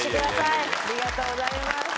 ありがとうございます。